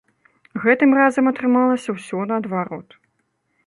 Гэтым разам атрымалася ўсё наадварот.